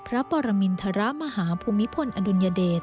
พระปรามีรธารามหาผู้มีพลอดุลยาเดต